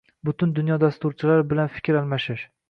butun dunyo dasturchilari bilan fikr almashish